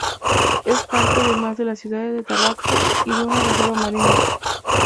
Es parte además de la ciudad de Tabaco y de una reserva marina.